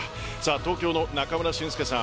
東京の中村俊輔さん